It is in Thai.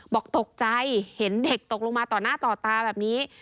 บอกตกใจเห็นเด็กตกลงมาต่อหน้าต่อตาแบบนี้